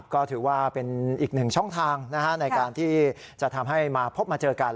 ก็ถือว่าเป็นอีกหนึ่งช่องทางในการที่จะทำให้มาพบมาเจอกัน